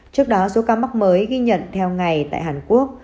trước đó số ca mắc mới ghi nhận theo ngày tại hàn quốc